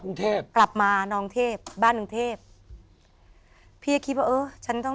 กรุงเทพกลับมานองเทพบ้านกรุงเทพพี่ก็คิดว่าเออฉันต้อง